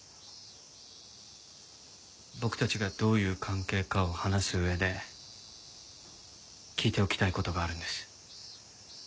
僕たちがどういう関係かを話す上で聞いておきたい事があるんです。